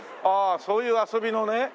ああそういう遊びのね。